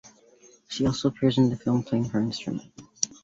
She also appears in the film, playing her instrument.